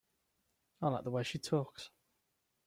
I like the way she talks.